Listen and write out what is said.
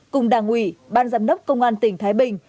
cùng đảng ủy ban giám đốc công an tỉnh thái bình